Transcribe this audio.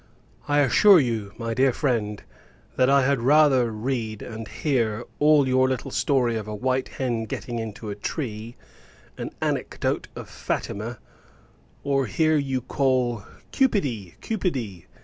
I assure you, my dear friend, that I had rather read and hear all your little story of a white hen getting into a tree, an anecdote of Fatima, or hear you call "Cupidy! Cupidy!"